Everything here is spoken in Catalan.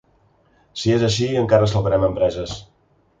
Si és així, encara salvarem empreses.